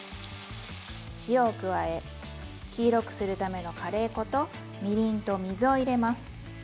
塩を加え黄色くするためのカレー粉とみりんと水を入れます。